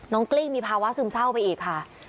กลิ้งมีภาวะซึมเศร้าไปอีกค่ะ